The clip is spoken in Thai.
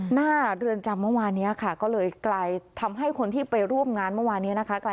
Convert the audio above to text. หน้าเรือนจำเมื่อวานนี้ค่ะก็เลยกลายทำให้คนที่ไปร่วมงานเมื่อวานนี้นะคะ